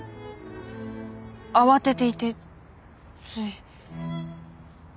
慌てていてつい。